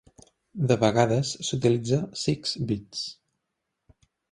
De vegades s'utilitza "six bits".